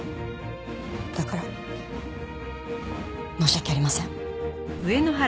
だから申し訳ありません。